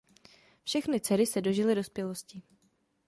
Všechny dcery se dožily dospělosti.